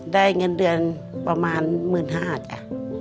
ได้เงินเดือนประมาณ๑๕๐๐บาทจ้ะ